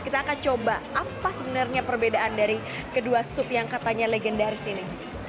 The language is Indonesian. kita akan coba apa sebenarnya perbedaan dari kedua sup yang katanya legendaris ini